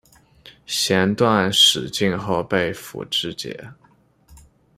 弦断矢尽后被俘支解。